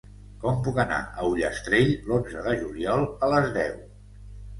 Com puc anar a Ullastrell l'onze de juliol a les deu?